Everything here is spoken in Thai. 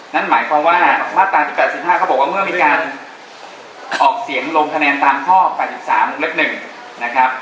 นั่นหมายความว่ามาตราที่๘๕เขาบอกว่าเมื่อมีการออกเสียงลงคะแนนตามข้อ๘๓วงเล็บ๑นะครับ